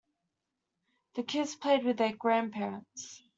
The kids played with their grandparents.